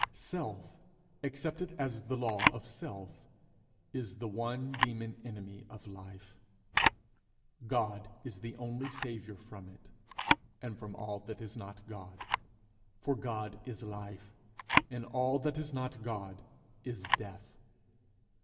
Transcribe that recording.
Self, accepted as the law of self, is the one demon enemy of life; God is the only Saviour from it, and from all that is not God, for God is life, and all that is not God is death.